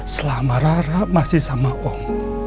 selama rara masih sama om